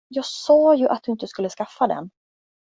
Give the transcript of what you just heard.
Jag sa ju att du inte skulle skaffa den.